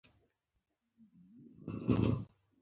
زده کړه نجونو ته د ډیټابیس مدیریت ښيي.